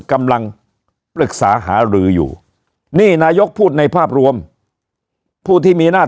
กำลังปรึกษาหารืออยู่นี่นายกพูดในภาพรวมผู้ที่มีหน้า